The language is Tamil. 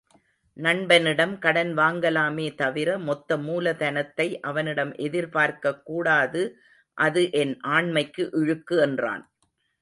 நண்பனிடம் கடன் வாங்கலாமே தவிர மொத்த மூலதனத்தை அவனிடம் எதிர்பார்க்கக் கூடாது அது என் ஆண்மைக்கு இழுக்கு என்றான்.